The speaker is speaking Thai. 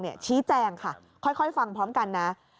ชี้แจงค่ะค่อยฟังพร้อมกันนะ